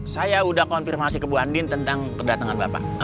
saya sudah konfirmasi ke bu andin tentang kedatangan bapak